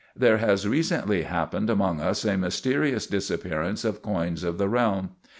There has recently happened among us a mysterious disappearance of coins of the realm.